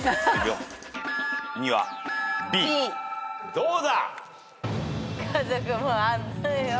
どうだ？